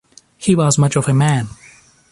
He was much of a man.